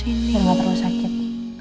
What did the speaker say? biar gak terlalu sakit